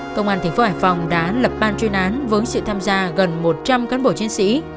công an thành phố hải phòng đã lập ban chuyên án với sự tham gia gần một trăm linh cán bộ chiến sĩ